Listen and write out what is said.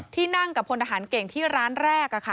ที่นั่งกับพลทหารเก่งที่ร้านแรก